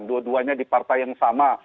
dua duanya di partai yang sama